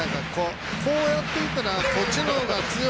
こうやっていったらこっちのほうが強い。